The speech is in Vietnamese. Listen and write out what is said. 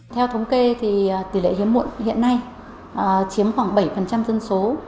theo thống kê thì tỷ lệ hiếm muộn hiện nay chiếm khoảng bảy dân số